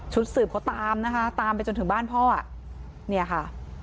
สืบเขาตามนะคะตามไปจนถึงบ้านพ่ออ่ะเนี่ยค่ะ